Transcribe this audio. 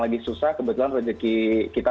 lagi susah kebetulan rezeki kita